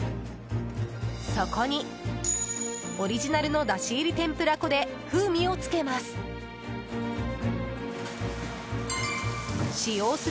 そこに、オリジナルのだし入り天ぷら粉で風味をつけます。